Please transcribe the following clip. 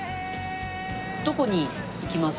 どこに行きます？